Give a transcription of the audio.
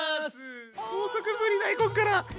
高速ぶり大根から！